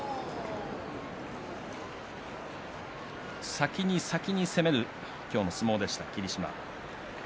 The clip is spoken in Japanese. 先に先に攻める今日の相撲でした、霧島。